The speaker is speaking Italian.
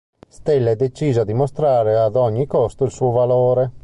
Stella è decisa a dimostrare ad ogni costo il suo valore.